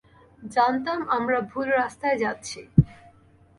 জানতাম, আমরা ভুল রাস্তায় যাচ্ছি!